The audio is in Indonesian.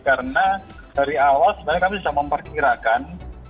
karena dari awal sebenarnya kami sudah memperkirakan